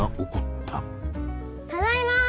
ただいま！